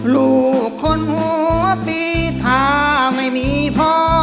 ลูกคนหัวปีถ้าไม่มีพ่อ